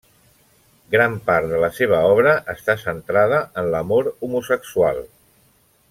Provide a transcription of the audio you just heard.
Gran part de la seva obra està centrada en l'amor homosexual.